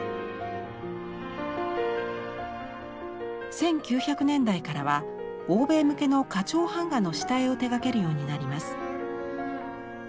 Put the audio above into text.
１９００年代からは欧米向けの花鳥版画の下絵を手がけるようになります。